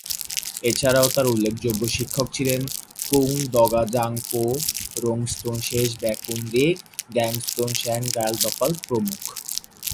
এছাড়াও তার উল্লেখযোগ্য শিক্ষক ছিলেন কুন-দ্গা'-ব্জাং-পো, রোং-স্তোন-শেস-ব্যা-কুন-রিগ, গ্যাগ-স্তোন-সাংস-র্গ্যাল-দ্পাল প্রমুখ।